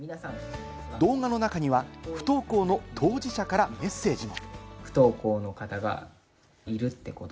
動画の中には不登校の当事者からメッセージも。